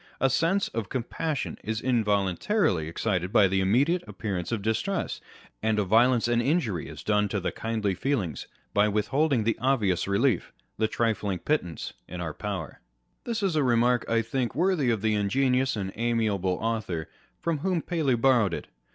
A sense of compassion is involuntarily excited by the immediate appearance of distress, and a violence and injury is done to the kindly feelings by with holding the obvious relief, the trifling pittance in our power, This is a remark, I think, worthy of the ingenious and amiable author from whom Paley borrowed it.